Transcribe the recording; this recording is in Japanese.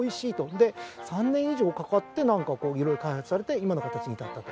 で３年以上かかって色々開発されて今の形に至ったと。